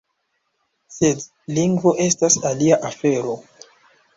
Sed lingvo estas alia afero.